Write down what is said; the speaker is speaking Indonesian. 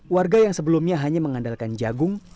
warga yang sebelumnya hanya mengandalkan jagung